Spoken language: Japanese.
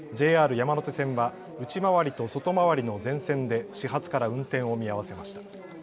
山手線は内回りと外回りの全線で始発から運転を見合わせました。